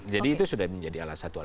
jadi itu sudah menjadi alat satu